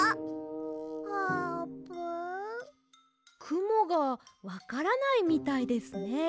くもがわからないみたいですね。